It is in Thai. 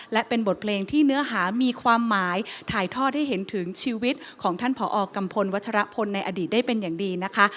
และเป็นบทเพลงที่เนื้อหามีความหมายถ่ายทอดให้เห็นถึงชีวิตของท่านผอกัมพลวัชรพลในอดีตได้เป็นอย่างดีนะคะ